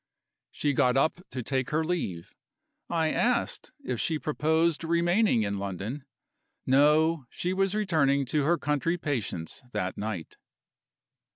She got up to take her leave. I asked if she proposed remaining in London. No; she was returning to her country patients that night.